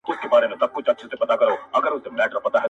چي د مړيني خبر ئې پټ وساته